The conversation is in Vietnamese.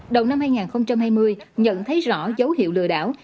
đầu năm hai nghìn hai mươi nhận thấy rõ dấu hiệu lừa đảo